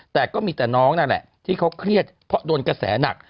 แต่ก็มีแต่น้องนั่นแหละที่เขาเครียดเพราะโดนกระแสหนัก